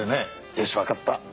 よしわかった。